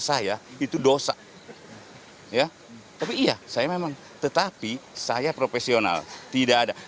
saya itu dosa ya tapi iya saya memang tetapi saya profesional tidak ada